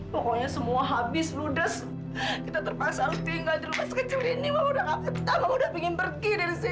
saya mahu minta para resiliency